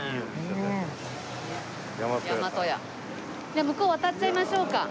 じゃあ向こう渡っちゃいましょうか。